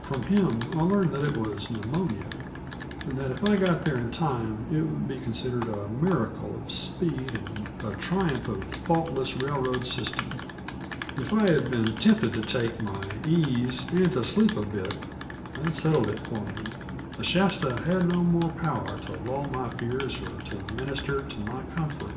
From him I learned that it was pneumonia, and that if I got there in time it would be considered a miracle of speed and a triumph of faultless railroad system. If I had been tempted to take my ease and to sleep a bit, that settled it for me. The Shasta had no more power to lull my fears or to minister to my comfort.